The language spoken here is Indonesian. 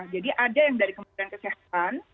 jadi ada yang dari kementerian kesehatan